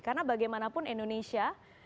karena bagaimanapun indonesia